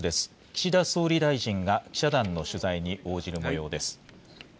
岸田総理大臣が、記者団の取材に応じるもようです。